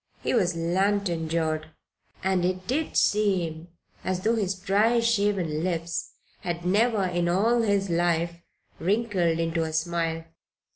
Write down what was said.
He was lantern jawed, and it did seem as though his dry, shaven lips had never in all his life wrinkled into a smile.